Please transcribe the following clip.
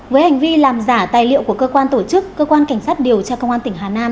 với hành vi làm giả tài liệu của cơ quan tổ chức cơ quan cảnh sát điều tra công an tỉnh hà nam